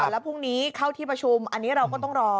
แล้วพรุ่งนี้เข้าที่ประชุมอันนี้เราก็ต้องรอ